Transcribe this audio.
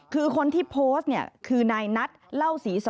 คือคนที่โพสต์คือนายนัฏล่าวศรีสวกุล